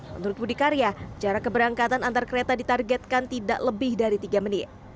menurut budi karya jarak keberangkatan antar kereta ditargetkan tidak lebih dari tiga menit